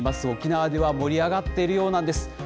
沖縄では盛り上がっているようなんです。